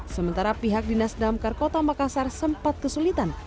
sementara pihak dinas damkar kota makassar sempat kesulitan